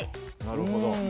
なるほど。